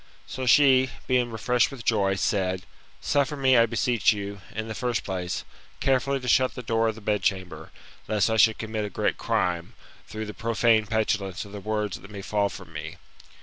So she, being refreshed with joy, said, Suffer, I beseech you, in the first place, carefully to shut the door of the bed chamber, lest I should commit a great crime, through the profane petulance of the words that may fall from me.